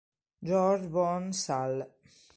George Bon Salle